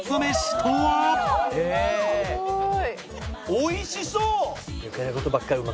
おいしそう！